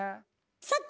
さて！